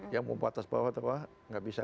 yang mau atas bawah atau bawah nggak bisa